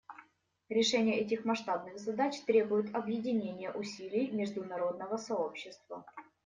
Решение этих масштабных задач требует объединения усилий международного сообщества.